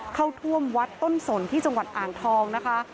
เข้าท่วมวัดต้นสนที่จังหวัดอ่างทองนะคะ